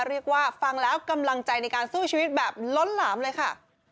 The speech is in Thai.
เรียกว่าฟังแล้วกำลังใจในการสู้ชีวิตแบบล้นหลามเลยค่ะ